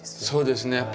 そうですね